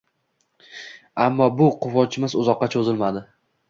Ammo bu quvonchimiz uzoqqa cho`zilmadi